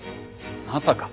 まさか！